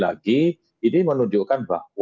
tapi kita dapat dikk incumbensi itu